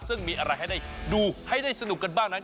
ซึ่งมีอะไรให้ได้ดูให้ได้สนุกกันบ้างนั้น